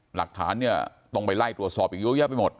หลักฐานนี้ต้องไปไล่ตรวจสอบยุ้ยยาวไปหมด